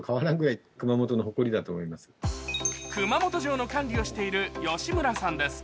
熊本城の管理をしている吉村さんです。